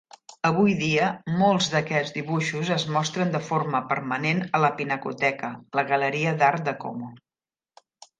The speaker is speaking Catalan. Avui dia, molts d'aquests dibuixos es mostren de forma permanent a la Pinacoteca, la galeria d'art de Como.